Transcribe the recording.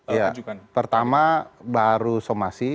iya pertama baru somasi